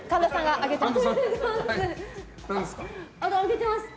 挙げてます！